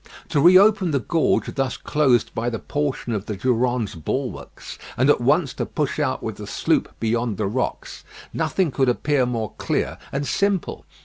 To re open the gorge thus closed by the portion of the Durande's bulwarks, and at once to push out with the sloop beyond the rocks, nothing could appear more clear and simple.